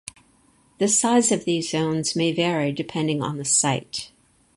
The size of these zones may vary depending on the site.